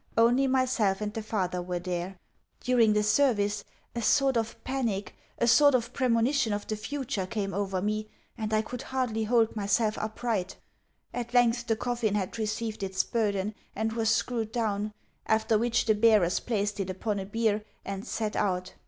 Only myself and the father were there. During the service a sort of panic, a sort of premonition of the future, came over me, and I could hardly hold myself upright. At length the coffin had received its burden and was screwed down; after which the bearers placed it upon a bier, and set out.